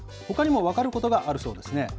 ほかにも分かることがあるそうですね。